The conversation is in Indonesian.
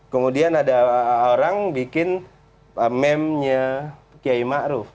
kemudian ada orang bikin memnya kiai ma'ruf